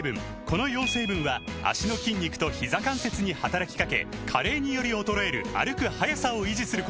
この４成分は脚の筋肉とひざ関節に働きかけ加齢により衰える歩く速さを維持することが報告されています